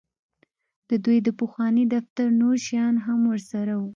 د دوی د پخواني دفتر نور شیان هم ورسره وو